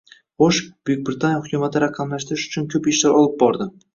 Xoʻsh, Buyuk Britaniya hukumati raqamlashtirish uchun koʻp ishlar olib bordi.